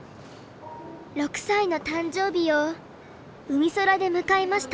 ６歳の誕生日をうみそらで迎えました。